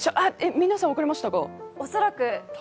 皆さん分かりましたか？